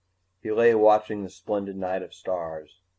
He lay watching the splendid night of stars.